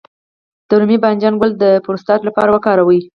د رومي بانجان ګل د پروستات لپاره وکاروئ